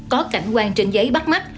có cảnh quang trên giấy bắt mắt